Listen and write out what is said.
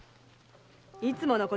いつもの事。